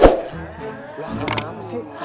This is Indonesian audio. lah kenapa sih